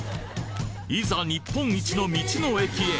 いざ日本一の道の駅へ！